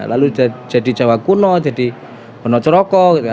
lalu jadi jawa kuno jadi pono ceroko